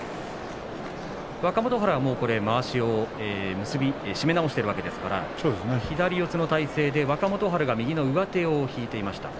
若元春もまわしを締め直しているわけですから左四つの体勢で若元春が右の上手を引いていました。